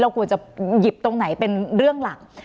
ควรจะหยิบตรงไหนเป็นเรื่องหลัก